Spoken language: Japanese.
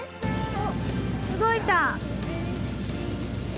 動いた。